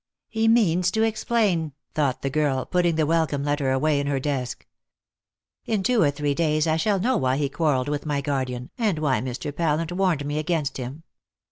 "He means to explain," thought the girl, putting the welcome letter away in her desk. "In two or three days I shall know why he quarrelled with my guardian, and why Mr. Pallant warned me against him.